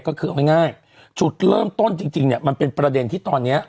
ก็คือเอาง่ายจุดเริ่มต้นจริงเนี่ยมันเป็นประเด็นที่ตอนนี้